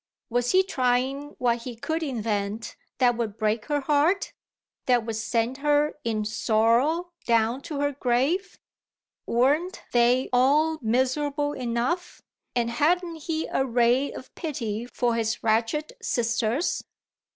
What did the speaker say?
Was he trying what he could invent that would break her heart, that would send her in sorrow down to her grave? Weren't they all miserable enough and hadn't he a ray of pity for his wretched sisters?